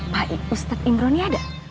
pak ustadz imro ini ada